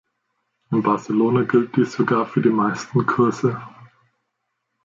In Barcelona gilt dies sogar für die meisten Kurse.